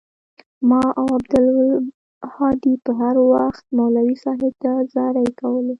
ما او عبدالهادي به هروخت مولوى صاحب ته زارۍ کولې.